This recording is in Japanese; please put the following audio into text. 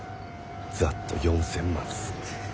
ざっと４，０００万っす。